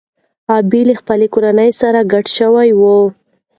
غابي له خپلې کورنۍ سره کډه شوې وه.